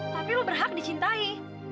tapi lo berhak dicintai